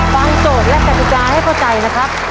ฟังโจทย์และกัตุการณ์ให้เข้าใจนะครับ